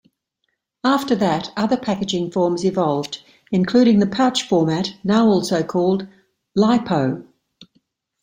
After that, other packaging forms evolved, including the pouch format now also called "LiPo".